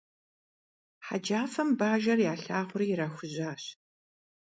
Хьэджафэм Бажэр ялъагъури ирахужьащ.